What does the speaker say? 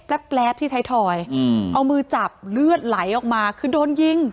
แป๊บที่ไทยทอยเอามือจับเลือดไหลออกมาคือโดนยิง